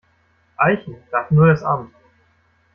Eichen darf nur das Amt.